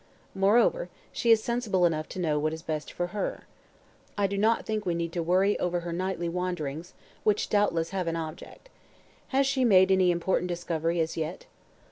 Moreover, she is sensible enough to know what is best for her. I do not think we need worry over her nightly wanderings, which doubtless have an object. Has she made any important discovery as yet?"